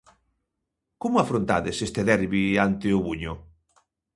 Como afrontades este derbi ante o Buño?